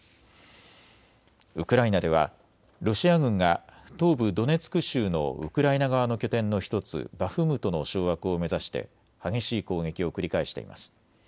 ウクライナではロシア軍が東部ドネツク州のウクライナ側の拠点の１つ、バフムトの掌握を目指して激しい攻撃を繰り返しています。